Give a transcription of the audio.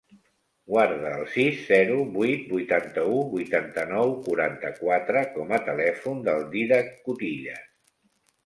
Guarda el sis, zero, vuit, vuitanta-u, vuitanta-nou, quaranta-quatre com a telèfon del Dídac Cutillas.